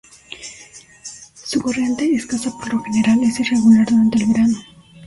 Su corriente, escasa por lo general, es irregular durante el verano.